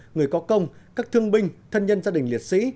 người có công các thương binh thân nhân gia đình liệt sĩ